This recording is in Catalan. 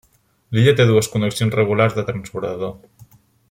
L'illa té dues connexions regulars de transbordador.